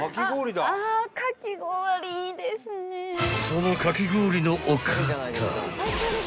［そのかき氷のお方］